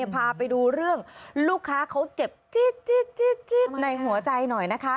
พาไปดูเรื่องลูกค้าเขาเจ็บจี๊ดในหัวใจหน่อยนะคะ